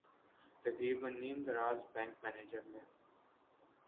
تقریبا نیم دراز بینک منیجر نے